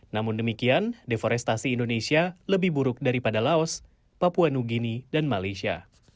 namun demikian deforestasi indonesia lebih buruk daripada laos papua new guinea dan malaysia